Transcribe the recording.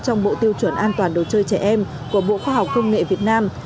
trong bộ tiêu chuẩn an toàn đồ chơi trẻ em của bộ khoa học công nghệ việt nam